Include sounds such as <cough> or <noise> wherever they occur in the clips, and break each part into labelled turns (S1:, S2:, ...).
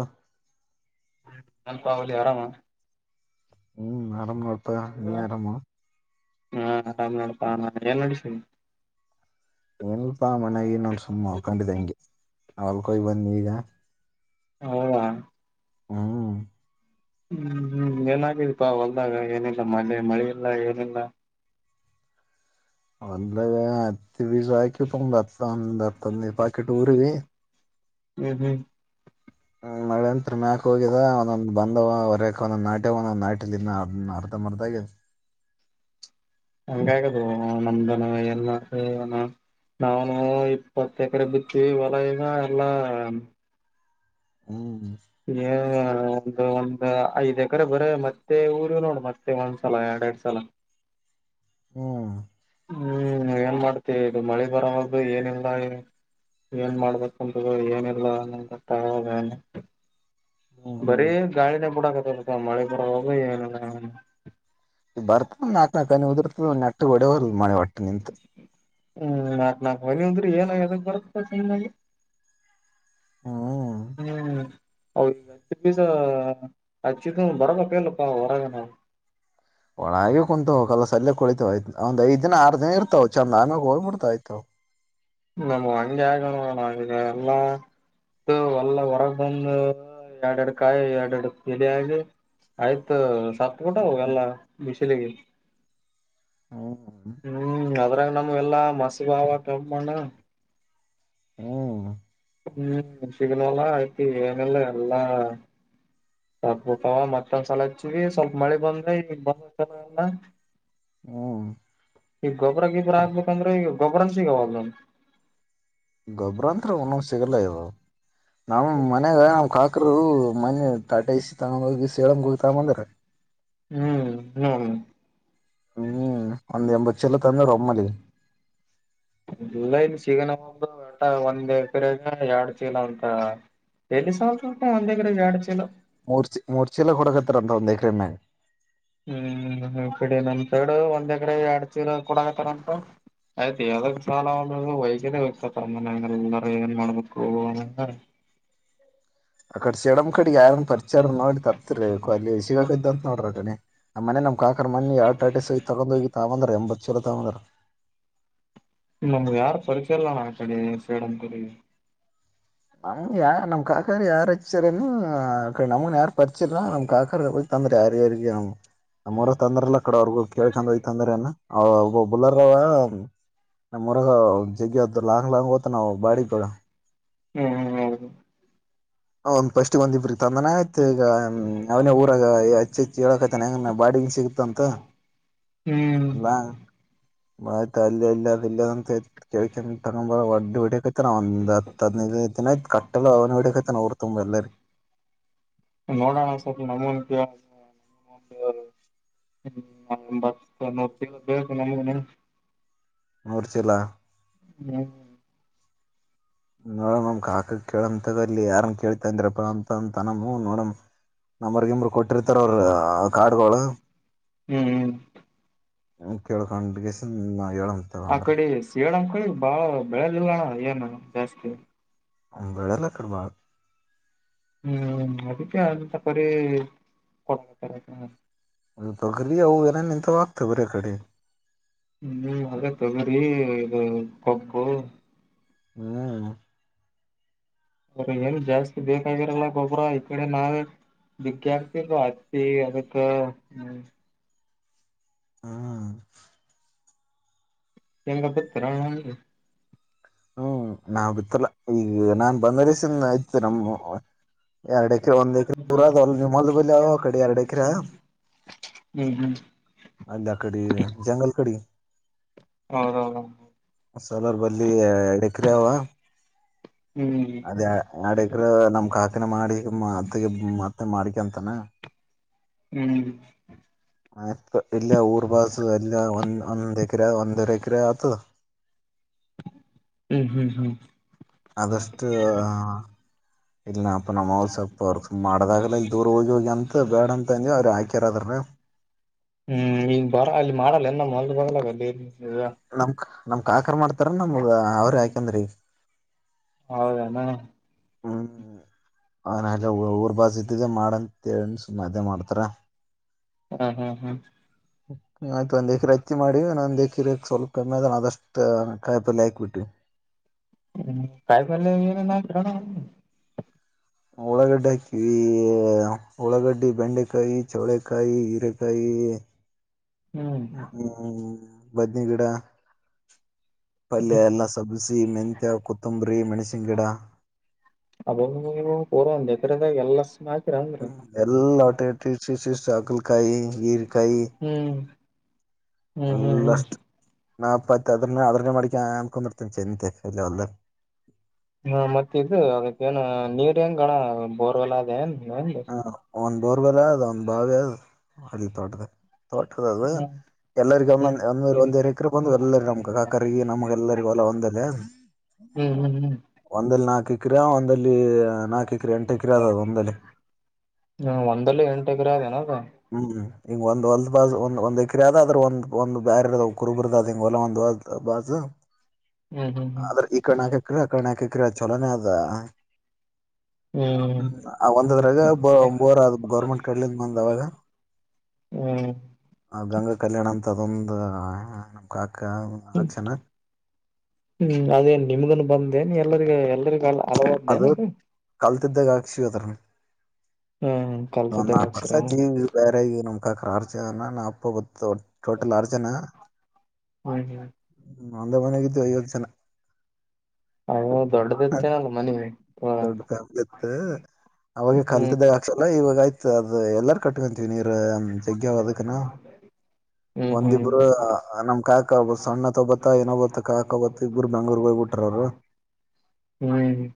S1: ಹ
S2: ಸ್ವಲ್ಪ ಅವಳಿ ಆರಾಮ
S1: ಹ್ಮ್ ಆರಾಮ್ ನೋಡ್ತ
S2: ಹಾ ಆರಾಮ ಮತ್ತೇ ನಡೆಸಿ
S1: ಏನಲ್ಪಾ ಮನಾಗಿ ನೋಡ್ ಸುಮಮ್ಮ್ ಅಕೊಂಡಿದ್ದಂಗೆ ಅವಲ್ಕೋಗ್ ಬಂದಿ ಈಗ
S2: ಹೌ
S1: ಹ್ಮ್
S2: ಹ್ಮ್ ಹ್ಮ್ ಏನಾಗಿದೀಪಾ ಹೊಲ್ದಾಗ ಏನಿಲ್ಲ ಮಳೆ ಮಳೆ ಇಲ್ಲ ಏನಿಲ್ಲ
S1: ಹೊಲದಾಗ ಹತ್ತಿ ಬೀಜಾ ಹಾಕಿ ತಮ ಹತ್ತ ಹದಿನೈದು ಪಾಕೆಟ್ ಊರಿ
S2: ಹ್ಮ ಹ್ಮ
S1: ನಳಂತ್ರ ಮ್ಯಾಕ ಹೋಗಿದ ಒಂದೊಂದ ಬಂದರಕ ಒಂದ ನಾಟ್ಯವ ಒಂದೊಂದ್ ನಾಟಿಲ ಅರ್ಧ ಮರ್ದ
S2: ಹಂಗ ಆಗದು ನಮ್ದನ ಎಲ್ಲಾ ನಾವಾನ ಇಪ್ಪತ್ತು ಎಕರೆ ಬಿತ್ತಿ ವಲನ ಎಲ್ಲಾ
S1: ಹ್ಮ್
S2: ಒಂದು ಒಂದ್ ಐದ್ ಎಕರೆ ಬರ ಹತ್ತಿ ಊರಲ್ಲೋಣ ಮತ್ತೆ ಒಂದ್ಸಲ ಅಡಡ್ ಸಲ
S1: ಹ್ಮ
S2: ಹ್ಮ್ ಏನ್ ಮಾಡ್ತಿವಿ ಇದು ಮಳೆ ಬರೋವಾಗ ಏನಿಲ್ಲ ಏನ್ ಮಾಡ್ಬೇಕಂತ ಏನರ್ಲಾ ಅನ್ನಟ್ಟನೆ ಬರಿ
S1: ಹ್ಮ್
S2: ಗಾಳಿನ ಬಿಡಾಕ ಹತ್ಯತಪಾ ಮಳೆ ಬರ ಒಲದು ಏನ್
S1: ಇ ಬರ್ತ ನಾಕ ನಕನಿ ಉದಿರ್ತ ನೆಟ್ಟ ಹೊಡೆವಲದ ಮಳೆ ಒಟ್ಟು ನಿಂತ
S2: ಹ್ಮ್ ನಾಕ್ ನಾಕ್ ಹನಿ ಆದ್ರಿ ಏನ ಯದಕ್ ಬರ
S1: ಹ್ಮ್
S2: ಹ್ಮ್ ಹೌ ಬಿಜ ಬರಬೇಕ ಇಲ್ಲಪ್ಪಾ ಹೊರಗನ
S1: ಒಳಗ ಕುಂತ್ ಕಲಸ ಸಲ್ಲೆ ಕುಳಿತವಯ್ತ ಒಂದ್ ಐದ್ ದಿನ ಆರ್ ದಿನ ಇರ್ತಾವ್ ಚಂದ ಅನಾಗ ಹೋಗ್ಬಿಡ್ತಾವ ಆಯ್ತಾವ
S2: ನಮ್ಗೆ ಅಂಗಗೆ ಆಗೋಣಿದೆ ಎಲ್ಲ ಒಲ್ಲ ಹೊರಗ್ ಬಂದು ಎರಡೆರಡು ಕಾಯಿ ಎರಡೆರಡು ಇಲಿಯಾಗಿ ಆಯ್ತ್ ಸತ್ತ ಬಿಟ್ಟಾವೆಲ್ಲ ಬಿಸಿಲಿಗೆ
S1: ಹ್ಮ್
S2: ಹ್ಮ್ ಅದ್ರಾಗ ನಮ ಎಲ್ಲಾ ಮಸ್ ಬಾವ ಕೆಂಪು ಮನ್ನಾ
S1: ಹ್ಮ್
S2: ತಿ ಏನಲ್ಲ ಎಲ್ಲಾ ಸ್ಪಲ್ಪ ಮತ್ತೊಂದ್ಸಲ ಹಚ್ಚಿವ ಸ್ವಲ್ಪ ಮಳೆ ಬಂದ್ರೆ ಈಗ ಬಂದಲ್ಲ
S1: ಹ್ಮ
S2: ಈಗ ಗೊಬ್ಬರ ಗಿಬ್ರ ಹಾಬೇಕಂದ್ರೆ ಈಗ ಗೊಬ್ಬ್ರನ್ ಸಿಗಾವಬ್ಲನ್
S1: ಗೊಬ್ರ ಅಂತರ ಒಂದು ಸಿಗಲ್ಲಾ ಇದ ನಮ್ ಮನಾಗ ನಮ್ ಕಾಕ್ರ ಮನೆ ತಾಟ ಇಸಿ ತಗೊಂಡ ಹೋಗಿ ಸೇಳಂಗ ಹೋಗಿ ತಗೊಂಬಂದಾರ
S2: ಹ್ಮ್ ಹ್ಮ್
S1: ಒಂದು ಎಂಬತ್ತು ಸಲ ತಂದ ಒಮ್ಮಲಿ
S2: ಇಲ್ಲ ಇನ್ ಸಿಗನ ಬಂದುಟ ಒಂದ್ ಎಕರೆಗ ಎರಡ್ ಚೀಲ ಅಂತ ಎಲ್ಲಿ ಸಾಲ್ತಪ್ಪ ಒಂದ್ ಎಕರೆಗೆ ಎರಡ್ ಚೀಲ
S1: ಮುರ ಚಿಲ್ ಮೂರ ಚೀಲ ಕೊಡ ಕಥೆ <unintelligible>
S2: ಹ್ಮ್ ಹ ಕಡ ನಮ ಸಡು ಒಂದ್ ಎಕರೆ ಎರಡ್ ಎಕರೆ ಕೊಡತಾರಂಟು ಆಯ್ತು ಯಾವದ ಸಾಲ ಒ ವೈಯತ ಸಮನೆಲ್ಲಗ ಮಾಡಳಕ್ಕೆ ಹೋಗಣಲ್ಲ
S1: ಆ ಕಡೆ ಸಿಡಮ್ ಕಡೆಗ್ ಯಾರನ್ ಪರಿಚಾರ ನೋಡಿ ತಪ್ಪರಿಬೇಕು ಅಲ್ಲಿ ಸಿಗಕ ಇದ್ದ ಅಂತ ನೋಡ್ರಿ ಅ ಕಡೆ ಆ ಮನೆ ನಮ್ ಕಾಕರ್ ಮಣಿ ಎರ ಟ ಸಹ ತಗೊಂಡ ಹೋಗಿ ತಗಂದ್ರ ಎಂಬತ್ತು ಸಲ ತಗಂದಾರ
S2: ನಮ್ ಯಾರು ಪರೀಕ್ಷೆ ಇಲ್ಲ ನಾ ಕಡೆ ಸೇಡಂತರಿ
S1: ನಮ್ ಯ ನಮ್ ಕಾಕಾರ್ ಯಾರ ಹಚ್ಚಾರನು ನಮನ್ ಯಾರು ಪರಿಚಿಲ್ಲ ನಮ್ ಕಾಕ ಗತಂದ್ರ ಯಾರ ಯಾರಿಗೆ ನಮ್ಮ್ರ ತಂದಲ್ಲ ಕಡೆ ಅವ್ರಗೋಗ ಕಳ್ಕೊಂಡು ಹೋಗ್ತಂದ್ರಲ್ಲ ಹ ಬಲರ್ ನಾಮರಗ ಲಾ ಲಾಂಗ್ತ ನಾವು ಬಾಡಿ ಕಡ
S2: ಹ್ಮ್ ಹ್ಮ ಹೌದು
S1: ಹ ಫಸ್ಟ್ ಬಂದಿಬ್ಬರು ತಂದನ ಆಯ್ತು ಈಗ ಅವನೇ ಊರಾಗ ಹಚ್ಚಿ ಹಚ್ಚಿ ಹೇಳಕತಾನ ಹೆಂಗ ಬಾಡಗನ್ ಸಿಗತಂತ
S2: ಹ್ಮ್
S1: ಅಲ್ಲ ಆಯ್ತ ಅಲ್ಲಿ ಎಲ್ಲಿ ಅ ಇಲ್ಲಂತ ಕೇಳ್ಕ ತಗೊ ಬರ ಒಡ್ಡಿ ಹೊಡತ ಒಂದ್ ಹದನೈದುಐನ ಕಟ್ಟಲ ಅವನಡ ತನೋರ್ತುಲ್ಲ
S2: ನೋಡೋಣ ಸ್ವಲ್ಪ ನಮ್ಮನ್ ಹ್ಮ ಎಂಬತ್ತು ನೂ ತಿಗಳು ಬೇಕು ನಮ
S1: ಗೊತ್ತಿಲ್ಲ
S2: ಹ್ಮ
S1: ನೋಡ ನಮ ಕಾಕಕ್ ಕೇಳಂತಗಲ್ಲಿ ಯಾರನ್ ಕೇಳ್ತ ಅಂದ್ರಪ್ಪ ಅಂತ ಅಂತ ನಮ್ಮ ನೋಡಮ ನಂಬರ್ ಗಂಬರ್ ಕೊಟ್ಟಿರ್ತಾರ ಅವ್ರ ಕಾರ್ಡ್ಗಳಗಳು
S2: ಹ್ಮ್
S1: ಕವಳ ಕಸ
S2: ಆ ಕಡೆ ಸಳಂ ಕಡೆ ಬಾಳ ಬೆಳೆಲಿಣ ಏನು ಜಾಸ್ತಿ
S1: ಅಂಬಳಲ್ಲ ಕಡ್ಬಳ
S2: ಹ್ಮ್ ಅದಕ್ಕೆ ಅಂತಪ ಕೊಡತ
S1: ದು ಪ್ರಕ್ರಿಯೆ ಹಲ್ಲ
S2: ಹ್ಮ ಅದ ತಗ್ರರಿ ಇ ಒಪ್ಪು
S1: ಹ್ಮ್
S2: ಅವ್ರ ಏನು ಜಾಸ್ತಿ ಬೇಕಾಗಿರಲ್ಲ ಗೊಬ್ರ ಈ ಕಡೆ ನಾವೇ ವಿದ್ಯಾರ್ಥಿ ಅತಿ ಅದಕ್ಕೆಮ
S1: ಹ್ಮ
S2: ಹೆಂಗ ಬಿತರ
S1: ಹ್ಮ್ ನಾವ ಬಿತ್ತಲ್ಲ ಈಗ ನಾನ್ ಬಂದರೆಸ ಆಯ್ತ ನಮ್ಮ ಎರಡ್ ಎಕರೆ ಒಂದ್ ಎಕ್ರರ ನಿ ಮೊದ ಬಲ್ ಕಡೆ ಎರಡ್ ಎಕರಾ
S2: ಹ್ಮ್
S1: ಅಲ್ಲ ಕಡೆ ಜಂಗಲ್ ಕಡಿ
S2: ಹೌದೌದ
S1: ಸಲರ್ ಬಲ್ಲಿ ಎಡಕ್ರ ಅವವ
S2: ಹ್ಮ್
S1: ಅದ ಆಡಗ್ರ ನಮ ಕಾಕನ ಮಾಡಿ ಮತ್ತ ಮತ್ತೆ ಮಾಡ ಿಕಂತ
S2: ಹ್ಮ್
S1: ಆ ಇಲ್ಲ ಊರ್ ಬಸ್ ಎಲ್ಲ ಒಂದ ಒಂದ ಎಕರೆ ಒಂದರೆ ಎಕರೆ ಅತ್ತು
S2: ಹ್ಮ್ ಹ್ಮ್ ಹ್ಮ್ ಹ್ಮ್
S1: ಆದಷ್ಟು ಇಲ್ಲ ಅಪ್ಪ ನಮ್ಮ್ರು ಸೊಪ್ಪಪ ಅವರ್ ಮಾಡದಾಗ ಇ ದೂರ ಹೋಗಿ ಹೋಗಿ ಅಂತ ಬೇಡ ಅಂತ ಅಂದವಿ ಅವ್ರ ಹಾಕ್ಯರದ್ರ <unintelligible>
S2: ಹ್ಮ್ ಈಗ ಬರ ಅಲ್ಲಿ ಮಾಡಲ್ಲ ಎಲ್ಲ ಮೊಲ್ ಬರ್ಲಾಗಲ್ಲ
S1: ನಮಕ್ ನಮ ಕ ಆಕರ್ ಮಾಡ್ತಾರ ನಮಗ ಅವ್ರ ಯಾಕಂದ್ರಿ
S2: ಹೌದಾ ನ
S1: ಹ್ಮ ಹನ್ಲ್ಲ ಊರ್ ಬಸ್ ಇದ್ದಿದ್ದೆ ಮಾಡಂತ ಸುಮ್ಮದೆ ಮಾಡ್ತಾರ
S2: ಹ್ಮ್ ಹ್ಮ್ ಹ್ಮ್
S1: ಆಯ್ತು ಒಂದ್ ಎಕ್ರರೆ ಹಚ್ಚಿ ಮಾಡಿ ನ ಒಂದ ಎಕ್ರರೆ ಸ್ವಲ್ಪ ಕಮ್ಮಿ ಆದದ ಅದಷ್ಟ ಕಾಯಿ ಪಲ್ ಹಾಕ್ಬ ಬಿಟ್ಟವಿ <unintelligible>
S2: ಹ್ಮ್ ಕಾಯ ಕಲ್ಲ ನ ಕಣ
S1: ಒಳಗಡ್ಡೆ ಹಾಕಿವಿ ಉಳಗಡ್ಡಿ ಬೆಂಡೆಕಾಯಿ ಚೌಳಕಾಯಿ ಹೀರೆಕಾಯಿ
S2: ಹ್ಮ್
S1: ಹ್ಮ್ ಬದನಿಗಿಡ ಪಲ್ಯ ಎಲ್ಲ ಸಬ್ಸಿಿ ಮೆಂತ್ಯ ಕೊತ್ತಂಬ್ರಿ ಮೆಣಸಿನ್ ಗಿಡ
S2: ಅ <inaudible> ಎಲ್ಲ <inaudible>
S1: ಹ್ಮ್ ಎಲ್ಲಾ ಹೊಟಿಟ ಶ ಆ ಕಾಯಿ ಈರಿಕಾಯ
S2: ಹ್ಮ್ ಹ್ಮ್ ಹ್ಮ್ ಹ್ಮ್
S1: ಎಲ್ಲಷ್ಟ ನಾಪ್ಪತ್ತ ಅದ್ರ ಅದ್ರನ್ನ ಮಾಡಡಿಕ ಆನ್್ಕೊಂಡಿರ್ತೇನೆ ಚಂತೆ ಅಲ್ಲ ಒಲ್ಲ
S2: ಹಾ ಮತ್ತಿದದು ಅದಕ್ಕ ಏನ ನೀರ್ ಂಗಗಳ ಬೋರ್ವೆಲ್ಲ ಅದೇ ಏನ್ ಹೆಂಗ
S1: ಹ್ಮ ಒಂದ್ ಬೋರ್ಬರ ಅದ್ ಒಂದ್ ಬಾವಿ ಅದು ಅಲ್ಲಿ ತೋಟದ ಠ ದದ
S2: ಹ್ಮ್
S1: <inaudible> ಎಲ್ಲರಿಗ
S2: ಹ್ಮ್
S1: ಒಂದೊಂದ ಒಂದವ ಒಂದ ಎಕ್ರ ಬಂದ ಎಲ್ಲರ ನಮ್ ಕಾಕರಿಗೆ ನಮ್ಗೆಲ್ಲರಿಗೂ ಹೊಲ ಒಂದಲ್ಲ
S2: ಹ್ಮ್ ಹ್ಮ್ ಹ್ಮ್
S1: ಒಂದಲ್ಲಿ ನಾಲ್ಕು ಎಕ್ರಿಯ ಒಂದಲ್ಲಿ ನಾಲ್ಕು ಎಕ್ರಿಯಾ ಎಂಟು ಎಕ್ರಿಯಾ ಅದದು ಒಂದಲ್ಲಿ
S2: ಹ್ಮ ಒಂದಲ್ಲಿ ಎಂಟ ಎಗರ ಅನ
S1: ಹ್ಮ್ ಈಂಗ ಒಂದ್ ಹೊಲ್ದ ಬಾಜ್ ಒಂದ್ ಒಂದ್ ಎಕ್ರ ಆದಾದ್ರರು ಒಂದ್ ಒಂದು ಬ್ಯಾರ ಇರ್ದ ಕುರುಬುರ್ದ ಅ ಹಿಗೆ ಹೊಲ ಒಂದು ಬಸ್
S2: ಹ್ಮ್ ಹ್ಮ್ ಹ್ಮ್
S1: ಆದ್ರೆ ಈ ಕರ್ಣ ಆಕ ಕ್ರಿಯ ಕರ್ಣ ಆಕ ಕ್ರ ಚಲನೇ ಅದ ಹ್ಮ್ ಒಂದದ್ರಾಗ ಒರ ಗೌರ್ಮೆಂಟ್ ಕಡ್ಲಿಂದ ಬಂದವಾಗ
S2: ಹ್ಮ್
S1: ಆ ಗಂಗಾ ಕಲ್ಯಾಣ ಅಂತ ಅದೊಂದು ನಮ
S2: ಹ್ಮ್ ಹ್ಮ್ ಅದೇನ್ ನಿಮ್ಗನ್ನು ಬಂದೇನ್ ಎಲ್ಲರಿಗ ಎಲ್ಲರಿಗ ಅಲದೆ
S1: ಅದು ಕಲ್ತಿದ್ದಾಗ ಹಾಕ್ಸಿವಿ ಅದ್ರನ್ ಒಂದ್ ನಾಕಕ್ ವರ್ಷ
S2: ಅಕ್ಷರ
S1: ಆಯತಿ ಬೇರೆ ಈ ನಮ ಕಕರ್ಚ ನ ಅಪ್ಪ ಗ ಟೋಟಲ್ ಅರ್ಜನಾ
S2: ಹ್ಮ್ ಹ್ಮ್
S1: ್ಮ ಒಂದ ಮನೆಗಿದ್ದು ಐವತ್ತು ಜನ
S2: ಹ ದೊಡ್ಡದ
S1: ದೊಡ ಕ ಇತ್ತು ಅವಾಗ
S2: ಹ್ಮ್
S1: ಕಲ್ತಿದ್ದ ಆಕ್ಸಲ ಇ ಇಾಗ ಆಯ್ತ ಅದು ಎಲ್ಲಾರ ಕಟ್ಕೊಂತೀವಿ ನೀರ ಜಗ್ದಕನಾ
S2: ಹ್ಮ್ ಹ್ಮ್
S1: ಒಂದಿಬ್ರು ನಮ್ ಕಾಯಕಬ ಸಣ್ಣತ್ ಒೋಗಬತಾ ಏನಬ ಕಾಯಕ್ಬತ್ತ ಇಬ್ಬರು ಬೆಂಗ್ೂರಿಗೆ ಹೋಗಿಬಊಟ್ಟ ಬ <inaudible>
S2: ಹ್ಮ್ ಹ್ಮ್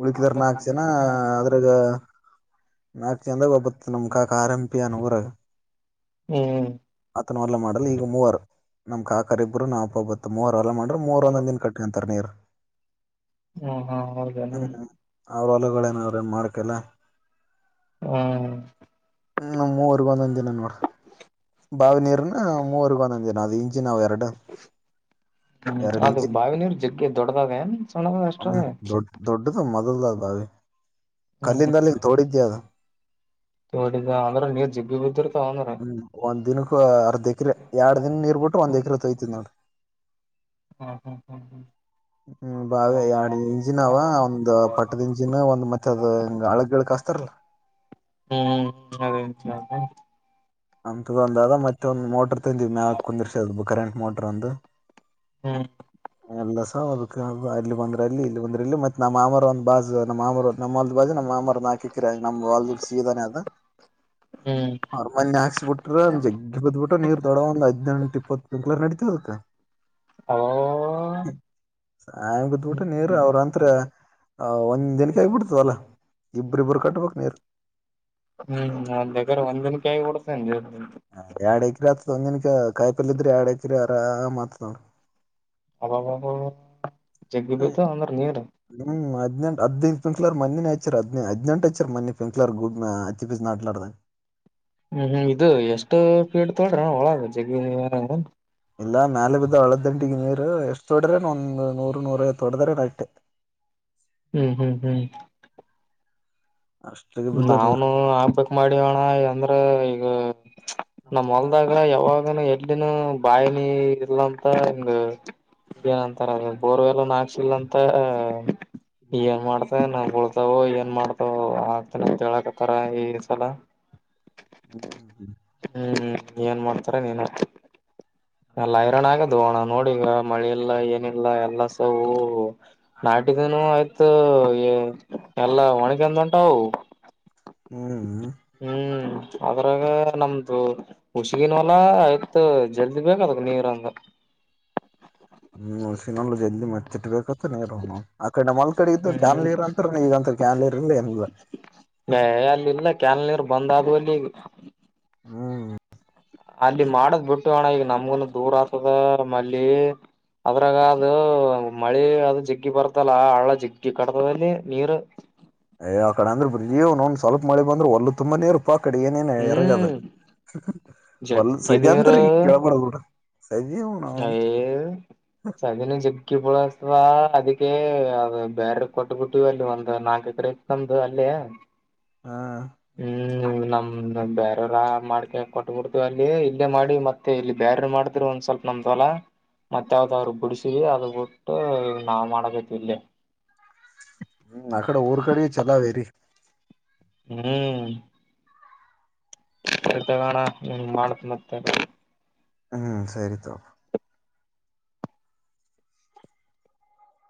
S1: ಉಳಕಿದಾರ ನಾಲ್ಕು ಜನ ಅದ್ರಾಗ ನಾಕು ಜಂದಾಗ ಒಬ್ಬತ್ ನಮ ಕಾಕ ಆರಂಪಿಯ ನೂರಾಗ
S2: ಹ್ಮ್
S1: ಹ ಮಾಡ ಈಗ ಮೂವರು ನಮ್ ಕಾಕಾರಿ ಇಬ್ಬರು ನಾಪಬ ಮ ಮೂರ್ ಎಲ್ಲ ಮಾಡ್ರೆ ಮೂರ್ ಒಂದ ದಿನ ಕಟ್ಟಿಂತರ್ ನೀರ್
S2: ಹು ಹು ಹೌದೇನೋ
S1: ಹ್ಞೂ ಅವ್ರ ಹೊಲಗಳೇನ
S2: <unintelligible>
S1: ಅವ್ರೇನ್ ಮಾಡ್ಕಲ್ಲ
S2: ಹ್ಮ್
S1: ಹ್ಮ ಮೂವರ್ಗ ಒಂದೊಂದ ದಿನ ನೋಡ ಬಾವಿ ನೀರ್ನ ಮೂವರ್ಗ ಒಂದೊಂದ್ ದಿನ ಅ ಇಂಜಿ ನಾವು ಎರಡು <unintelligible>
S2: ಹ್ಮ್
S1: ಎರಡು
S2: ಅದು ಬಾವಿನರು ಜಗ್ಕ್ಕೆ ದೊಡ್ಡದಾವೇನ್ <unintelligible>
S1: ಹ್ಮ ದೊಡ್ಡ ದೊಡ್ಡದು ಮೊದಲ್ದ ಬಾವಿ ಕಲ್ಲಿಂದಲ್ಲಿ ತೋಡಿದ್ಯಾ ಅದು
S2: ತೋಡಿದ ಅಂದ್ರೆ ನೀರ್ ಜಿಬ್ಬಿ ಬಿದ್ರ
S1: ಹ್ಮ್ ಒಂದ ದಿನ ಅರ್ಧ ಎಕ್ರ ಎರಡ್
S2: ಹ್ಮ್
S1: ದಿನ ನೀರ್ ಬಿಿಟ್ಟು ಒಂದ್
S2: ಹ್ಮ್
S1: ಎಕ್ರ ತೊಯ್ತ್ ನೋಡಿ
S2: ಹ ಹ ಹ
S1: ಹ್ಮ ಬಾವ ಎರಡ್ ಇಂಚಿಿನಾವ ಒಂದು್ ಪಟ್ಟದ ಇಂ <unintelligible> ದಿನ ಒಂದ್ ಮತ್ತೆ ಅದ ಹ ಹಳಗ್ಳ ಕಸ್ತಾರಲ್ಲ
S2: ಹ್ಮ್ ಹ್ಮ್ ಹ್ಮ್ ಅದೇಂತ <unintelligible>
S1: ಅ ತಗಂದ ಅದ ಮತ್ತೆೊಂದು್ ಮೋಟರ್ ತಿಂದಿವವಿ ಮ್ಯ ಕುಂದಿರ್ಸ ಕರೆಂಟ್ ಮೋಟರ್ ಒಂದು
S2: ಹ್ಮ್
S1: ಎಲ್ಲ ಸ ಅದ ಅಲ್ಲಿ ಬಂದ್ರೆ ಅಲ್ಲಿ ಇಲ್ಲಿ ಬಂದ್ರ ಇ ಮತ್ತತ್ ನಮ್ಮ್ಮರ ಒಂದು ಬಾಜು ನಮ್ಮ ಮಾಮರ ನಮ್ಮ ಒಂದು ಬಾಜು ನಮ್ಮ <unintelligible> ಮಾಮರದ ನಾಲಕ್ಕ್ ಏಕ್ರ ನಮ್ಮ್ಲ್ ಸಿೀದಾನೆದ
S2: ಹ್ಮ್
S1: ಮನೆಿ ಹಾಕ್ಸ್ಬ ಬಿಟ್ರ ಜಗ್ ಬ್ಬ ಬಿಟ್ಟ್ರ ನೀರ್ ದೊಡ ಒಂದ್ದ್ಂಟ ಇಪ್ಪತ್ ತಿಂಕ್ ನಡಿತತದ <unintelligible>
S2: ಹಲ್ಲೋ
S1: <inaudible> ಸಾಯದ ಊಟ ನೀರು ಅವ್ರಂತ್ರ ಒಂದ್ ದಿನಕ್ಕೆ ಆಗ ಬಿಡ್ತದಲ್ಲ <unintelligible> ಇಬ್ಬರಿ ಇಬ್ಬರು ಕಟ್ಟಬೇಕಕ್ ನೀರು
S2: ಹ್ಮ್ ಒಂದಿನ ಕಾಯ <unintelligible>
S1: ಹ ಎರಡ್ ಎಕ್ರ ಆತದಂಗನಕ ಕಾಯಪಲ್ ಇದ್ರೆ ಎರಡ್ ಎಕ್ರ ಆರಾಮ್ ಆತವ <unintelligible>
S2: ಅಬ್ಬಾ <unintelligible> <inaudible>
S1: ಆ್ ಹ್ಮ್ ಹದ್ನೆಂ <unintelligible> ರದಿ ಪಿಂಕ್ಲರು ಮ್ಣಿನ ಹಚ್ಚರು ಅದ್ ಅದ್ನಂಟು ಹೆಚ್ಚ ಮನ್ನಿ ಪಿಂಕ್ಲಾರ ಗಬ್ ಅತ್ತಿಪ್ಪಿಿಸಿಿ ಆಟಾಡ್ದ <unintelligible>
S2: ಹ್ಮ್ ಹ್ಮ್ ಇದು ಎಷ್ಟು ಫೀಡ್ ತೊಳ್ರ ಒಳಗ ಜಗ <unintelligible>
S1: ಇಲ್ಲ ಮೇಲೆ ಬಿದ್ದು ಹಳದ್ದಂಟಿಗೆ ನೀರು ಎಷ್ಟು ತೊಡ್ರೆೊಂದು ನೂರು ನೂರ ತೊಡ್ದ್ರ ನಟ್ <unintelligible>
S2: ಹ್ಮ್ ಹ್ಮ್ ಹ್ಮ್
S1: ಅಷ್ಟಿಗೆ ಬಿದ್ದವ್ ನೀರು
S2: ನಾನು ಹಾಕ್ಬೇಕಕ್ ಮಾಡೋಣ ಅಂದ್ರ ಈಗ <unintelligible> ನಮ ಹೊಲ್ದಾಗ ಯಾವಾಗನು ಎಡ್ನ ಬಾಯಿನಿ ಇಲ್ಲಂತ ಹಂಗ <unintelligible> ಏನಂತಾರ ಬೋರ್ವೆಲ್ಲ ನಾಕ್ಸಿಲ್ಲಂತ <unintelligible> ಏನ್ ಮಾಡ್ತ ನಾ್ ಬಳ್ತಾವ ಏನ್ ಮಾಡ್ತ <unintelligible> ಹಳಕತರ ಈ ಸಲ <unintelligible>
S1: ಹ್ಮ್ <unintelligible>
S2: ಹ್ಮ್ ಏನ್ ಮಾಡ್ತಾರ ನೀನು ಅಲ್ಲ ಐರನ್ ಆಗದು ಹೋಣ ನೋಡಿ ಈಗ <unintelligible> ಮಳೆ ಇಲ್ಲ ಏನಿಲ್ಲ ಎಲ್ಲಸೂ <unintelligible> ನಾಟಿದ ಆಯ್ತು ಎಲ್ಲಾ ಒಣಗಂದ ಉಂಟಾವ <unintelligible>
S1: ಹು <unintelligible>
S2: ಹ್ಮ್ ಅದ್ರಾಗ ನಮ್ದು ಹುಷಗನ್ವಲಾ ಆಯ್ತು ಜಲ್ದಿ ಬೇಕ ಅದಕ್ಕೆ ನೀವರಂಗ <unintelligible>
S1: ಹ್ಮ್ ಉಳಸಿನಲ್ಲ ಜಲ್ದಿ ಮಚ್ಚಿಟ್ಬೇಕ <unintelligible> ಆ ಕಡೆ ಮಲ್ ಕಡೆ ಇದ್ದು ಕ್ಯಾನಲರ್
S2: ಹ್ಮ್
S1: ಅಂತರ ಈಗಂತ ಕ್ಯಾನನ್ಲರ್ ಇಲ್ಲ ಏನ್ <unintelligible>
S2: ಅಲ್ಲಿ ಇಲ್ಲ ಕೆಾಲ ನೀರು ಬಂದಾದಲ್ಲಿ <unintelligible>
S1: ಹ್ಮ್
S2: ಅಲ್ಲಿ ಮಾಡದ್ ಬಿಟ್ಟು ಅಣ್ಣ ಈಗ ನಮ್ಗನ ದೂರ ಆತದ ಮಲ್ಲಿ <unintelligible> ಅದ್ರಾಗ ಅದು ಮಳೆ ಅದು ಜಿಗ್ಗಿ ಬರ್ತಲ್ಲ ಹಳ್ಳ ಜಿಗ್ಗಿ ಕಡ್ದಲ್ಲಿ ನೀರು
S1: ಏ್ ಕಡೆ ಅಂದ್ರೆ್ರಿಜ್ ಒ್ ಸ್ವಲ್ಪ ಮಳ ಬಂದ್ರ ಒಲ್ಲ ತುಂಬಾೇ ಇರು <unintelligible> ಅಪ್ಪ ಅ ಕಡೆ ಏನೇನ್ ಎರಗದ
S2: ಹ್ಮ್
S1: ಒಲ್
S2: ಜಗ್ಗಿ
S1: ಸಜ ಅತ್ರಿ ಈ ಕಳ್ಬಡ ಕೂಡ
S2: ಯ ಸಾದನೆ ಜಗ್ಗಿ ಪಳ <unintelligible> ಅಥವಾ ಅದಕ್ಕೆ ಅ ಬೇರೆ ಕೊಟ್ಟಬಿಟ್ಟಿವ ಅಲ್ಲಿ ಒಂದು ನಾಲ್ಕ ಎಕ್ರೆ ತಂದು ಅಲ್ಲೇ.
S1: ಹಾ
S2: ಹ್ಮ್ ನಮ್ ನಮ್ದ ಬೇರವರ ಮಾಡ್ಕ ಕೊಟ್ಟಬಿಡ್ತವಿ ಅಲ್ಲಿ ಇಲ್ಲೇ ಮಾಡಿ ಮತ್ತೆ ಇಲ್ಲಿ ಬೇರೆ ಮಾಡಿದ್ರು ಒಂದ್ ಸ್ವಲ್ಪ ನಮ್ದ್ ಹೊಲ. ಮತ್ತ ಯಾವ್ದಾದ್ರು ಬಿಡಿಸಿ ಅದ ಬಿಟ್ಟು ನಾ ಮಾಡಬೇಕ ಇಲ್ಲಿ.
S1: ಹ್ಮ್ ಅಕಡೆ ಊರ್ ಕಡೆ ಚಲೋವೇರಿ.
S2: ಹ್ಮ್ ತಗೋಣನ್ ನಿಂಗ ಮಾಡತ್ನ ಮತ್ತೆ.
S1: ಹ್ಮ್ ಸರಿ ತೊಗೊ.